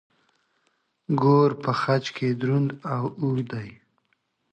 ګور په خج کې دروند او اوږد دی.